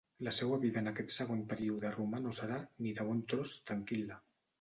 La seua vida en aquest segon període romà no serà, ni de bon tros, tranquil·la.